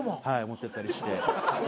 はい持ってったりして。